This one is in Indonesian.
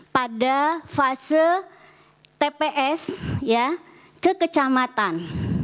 pada fase tps ke kecamatan